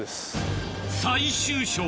最終章！